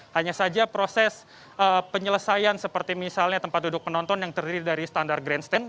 hanya saja proses penyelesaian seperti misalnya tempat duduk penonton yang terdiri dari standar grandstand